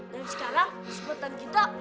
dan sekarang kesempatan kita